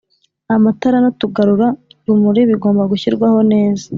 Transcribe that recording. Amatara n'utugarura rumuri bigomba gushyirwaho neza